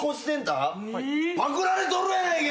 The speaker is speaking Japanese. パクられとるやないけ！